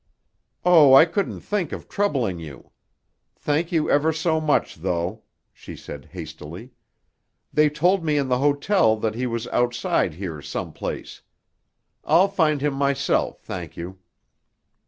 "Oh, I couldn't think of troubling you. Thank you ever so much, though," she said hastily. "They told me in the hotel that he was outside here some place. I'll find him myself, thank you."